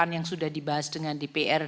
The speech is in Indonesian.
yang sudah dibahas dengan dpr